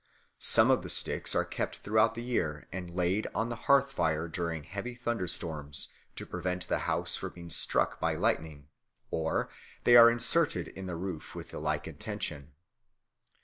Some of the sticks are kept throughout the year and laid on the hearth fire during heavy thunder storms to prevent the house from being struck by lightning, or they are inserted in the roof with the like intention.